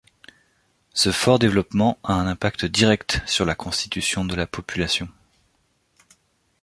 Ce fort développement a un impact direct sur la constitution de la population.